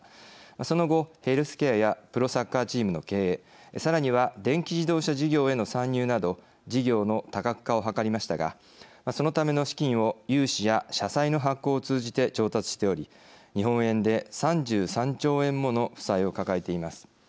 その後、ヘルスケアやプロサッカーチームの経営さらには電気自動車事業への参入など事業の多角化を図りましたがそのための資金を融資や社債の発行を通じて調達しており日本円で３３兆円もの負債を抱えています。